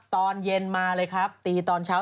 ตอนเย็นมาเลยครับตีตอนเช้า